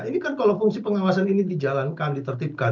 ini kan kalau fungsi pengawasan ini dijalankan ditertibkan